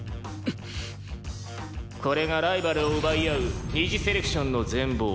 「これがライバルを奪い合う二次セレクションの全貌